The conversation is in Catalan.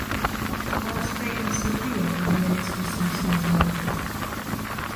Com es feien servir els bitllets de cinc-cents euros?